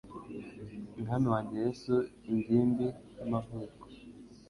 Mwami wanjye Yesu ingimbi y'amavuko